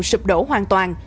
sụp đổ hoàn toàn